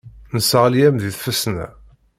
Nesseɣli-am deg tfesna.